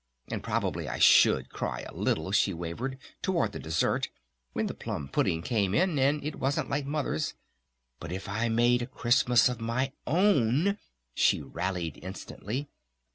And probably I should cry a little," she wavered, "towards the dessert when the plum pudding came in and it wasn't like Mother's. But if I made a Christmas of my own " she rallied instantly.